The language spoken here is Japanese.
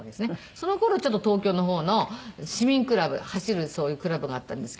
その頃ちょっと東京の方の市民クラブ走るそういうクラブがあったんですけど。